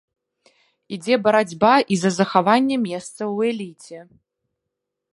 Ідзе барацьба і за захаванне месца ў эліце.